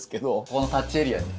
ここのタッチエリアに。